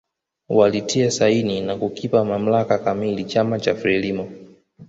Walitia saini na kukipa mamlaka kamili chama cha Frelimo